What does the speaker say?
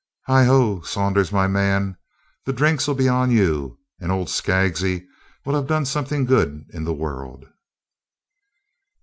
Heigho, Saunders my man, the drinks 'll be on you, and old Skaggsy will have done some good in the world."